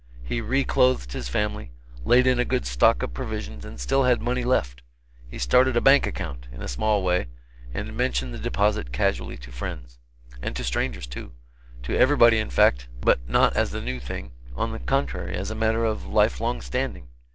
He re clothed his family, laid in a good stock of provisions, and still had money left. He started a bank account, in a small way and mentioned the deposit casually to friends; and to strangers, too; to everybody, in fact; but not as a new thing on the contrary, as a matter of life long standing.